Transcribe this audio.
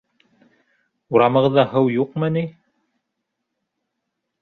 Урамығыҙҙа һыу юҡмы ни?